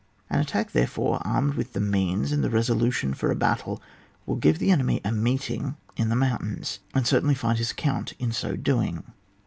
An atttwjk, therefore, armed with the means and the resolution for a battle, will give the enemy a meeting in the moimtains, and certainly find his account in so doing.